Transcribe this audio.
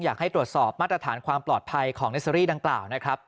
อยากให้ตรวจสอบมาตรฐานความปลอดภัยของเนสเตอรี่ดังกล่าวนะครับ